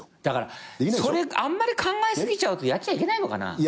だからそれあんまり考え過ぎちゃうとやっちゃいけないのかな？